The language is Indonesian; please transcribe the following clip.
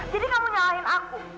jadi kamu nyalahin aku